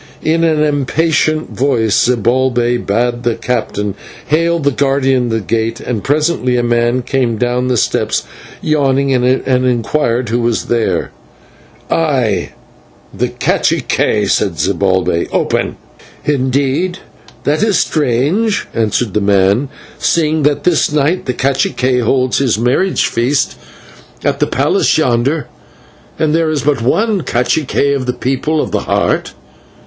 In an impatient voice, Zibalbay bade the captain hail the guardian of the gate, and presently a man came down the steps yawning, and inquired who was there. "I, the /cacique/," said Zibalbay. "Open." "Indeed! That is strange," answered the man, "seeing that this night the /cacique/ holds his marriage feast at the palace yonder, and there is but one /cacique/ of the People of the Heart!